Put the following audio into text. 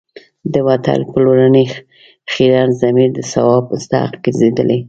د وطن پلورنې خیرن ضمیر د ثواب مستحق ګرځېدلی.